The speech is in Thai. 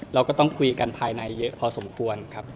เราก็ต้องคุยกันภายในเยอะพอสมควรครับ